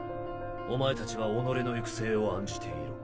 お前たちは己の行く末を案じていろ。